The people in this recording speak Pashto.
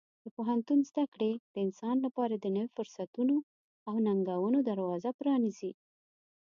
د پوهنتون زده کړې د انسان لپاره د نوي فرصتونو او ننګونو دروازه پرانیزي.